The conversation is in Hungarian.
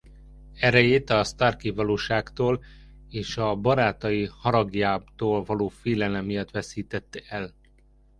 Erejét a starki valóságtól és a barátai haragjától való félelem miatt vesztette el.